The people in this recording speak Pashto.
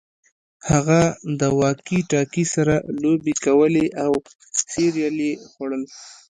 هغه د واکي ټاکي سره لوبې کولې او سیریل یې خوړل